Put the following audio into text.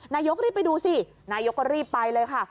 นายกรีบไปดูสินายกก็รีบไปเลยค่ะ